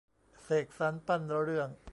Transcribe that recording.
เสกสรรปั้นเรื่อง